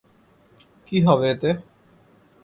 কী হবে এতে?